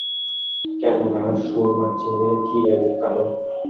কেন গা, সুরমার চেয়ে কি এ মুখ কালো?